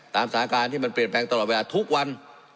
สาการที่มันเปลี่ยนแปลงตลอดเวลาทุกวัน